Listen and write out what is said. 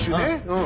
うん。